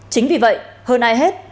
chính vì vậy hơn ai hết